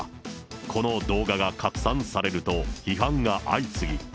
この動画が拡散されると、批判が相次ぎ。